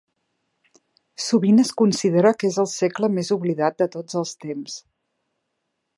Sovint es considera que és el segle més oblidat de tots els temps.